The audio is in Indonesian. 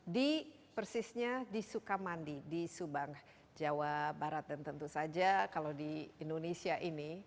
di persisnya di sukamandi di subang jawa barat dan tentu saja kalau di indonesia ini